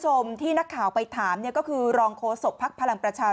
ชมที่นักข่าวไปถามเนี่ยก็คือรองโคศบภาคพลังประชา